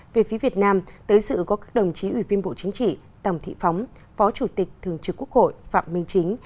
về phía việt nam tới sự có các đồng chí ủy viên bộ chính trị tòng thị phóng phó chủ tịch thường trực quốc hội phạm minh chính